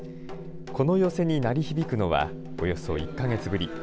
この寄席に鳴り響くのは、およそ１か月ぶり。